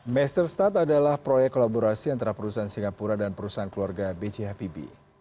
meisterstad adalah proyek kolaborasi antara perusahaan singapura dan perusahaan keluarga bchbb